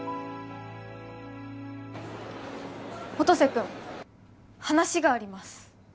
音瀬君話があります